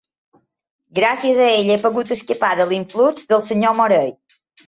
Gràcies a ell he pogut escapar de l'influx del senyor Morell.